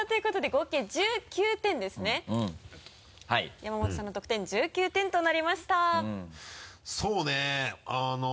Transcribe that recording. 山本さんの得点１９点となりましたそうね。